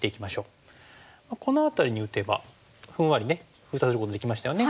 この辺りに打てばふんわり封鎖することできましたよね。